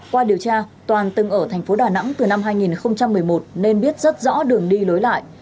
qua điều tra toàn từng ở thành phố đà nẵng từ năm hai nghìn một mươi một nên biết rất rõ đường đi lối lại